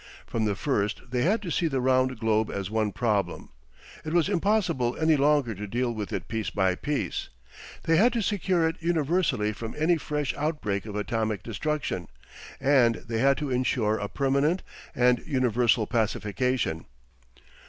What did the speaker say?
From the first they had to see the round globe as one problem; it was impossible any longer to deal with it piece by piece. They had to secure it universally from any fresh outbreak of atomic destruction, and they had to ensure a permanent and universal pacification.